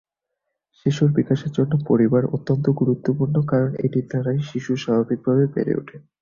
শিশুর বিকাশের জন্য পরিবার অত্যন্ত গুরুত্বপূর্ণ কারণ এটির দ্বারাই শিশু স্বাভাবিকভাবে বেড়ে উঠে।